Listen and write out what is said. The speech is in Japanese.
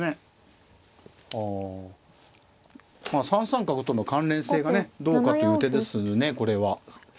３三角との関連性がねどうかという手ですねこれは。